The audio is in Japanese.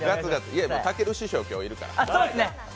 いや、たける師匠が今日いるから。